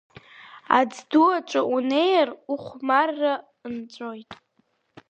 Аӡду аҿ унеир ухәмарра нҵәоит!